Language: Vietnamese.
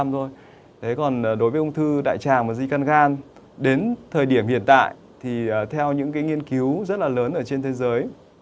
đối với ung thư đại tràng và di căn gan đến thời điểm hiện tại theo những nghiên cứu rất lớn trên thế giới